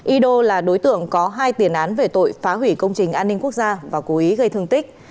y đô là đối tượng có hai tiền án về tội phá hủy công trình an ninh quốc gia và cố ý gây thương tích